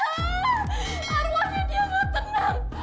arwahnya dia gak tenang